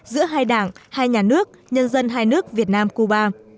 giữa hai đảng hai nhà nước nhân dân hai nước việt nam cuba